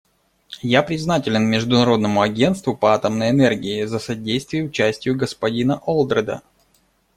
Я признателен Международному агентству по атомной энергии за содействие участию господина Олдреда.